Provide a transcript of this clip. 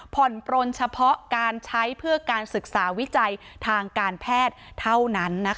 ผ่อนปลนเฉพาะการใช้เพื่อการศึกษาวิจัยทางการแพทย์เท่านั้น